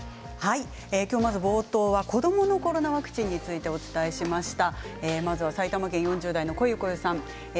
きょう冒頭は子どものコロナワクチンについてお伝えしました。